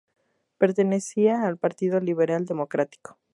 Pertenecía al Partido Liberal Democrático.